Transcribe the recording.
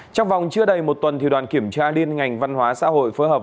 vào vòng chưa đầy một tuần thì đoàn kiểm tra liên ngành văn hóa xã hội phối hợp